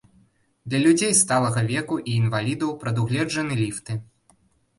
Для людзей сталага веку і інвалідаў прадугледжаны ліфты.